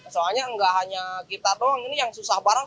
soalnya nggak hanya kita doang ini yang susah barang